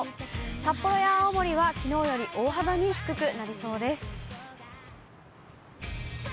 札幌や青森は、きのうより大幅に低くなりそうです。